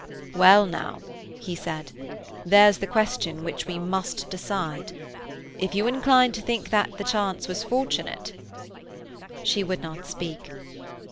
"Well, now," he said, "there's the question which we must decide. If you incline to think that the chance was fortunate—" She would not speak.